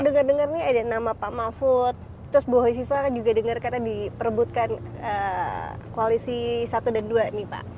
dengar dengar nih ada nama pak mahfud terus bu hovifa juga dengar karena diperbutkan koalisi satu dan dua nih pak